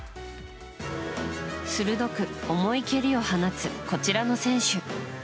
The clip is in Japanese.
鋭く重い蹴りを放つこちらの選手。